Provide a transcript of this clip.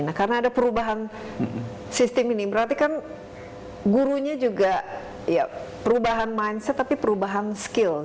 nah karena ada perubahan sistem ini berarti kan gurunya juga ya perubahan mindset tapi perubahan skill